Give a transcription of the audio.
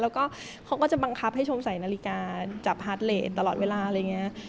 แล้วก็เขาก็จะบังคับให้ชมใส่นาฬิกาจับพาร์ทเลสตลอดเวลาอะไรอย่างนี้